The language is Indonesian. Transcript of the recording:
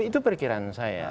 itu perkiraan saya